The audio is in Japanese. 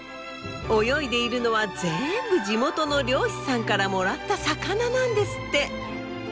泳いでいるのはぜんぶ地元の漁師さんからもらった魚なんですって。